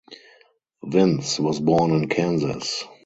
Vincze was born in Kansas.